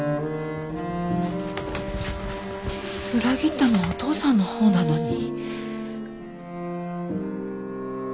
裏切ったのはお父さんの方なのに。